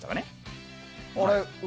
あれ？